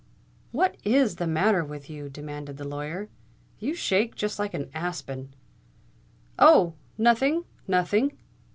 "What is the matter with you?" demanded the lawyer. "You shake just like an aspen." "Oh! nothing—nothing!"